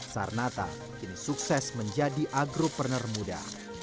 sarnata ini sukses menjadi agro preneur muda